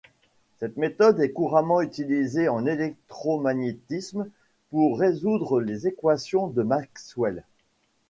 Cette méthode est couramment utilisée en électromagnétisme pour résoudre les équations de Maxwell.